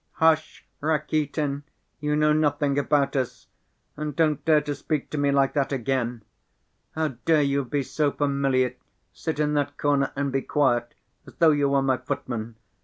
"Hush, Rakitin, you know nothing about us! And don't dare to speak to me like that again. How dare you be so familiar! Sit in that corner and be quiet, as though you were my footman!